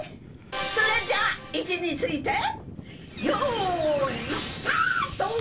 それじゃ位置についてよいスタート！